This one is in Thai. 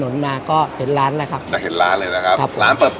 ร้านเปิดปิดกี่โมงครับ